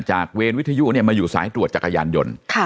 จากเวรวิทยุเนี่ยมาอยู่สายตรวจจักรยานยนต์ค่ะ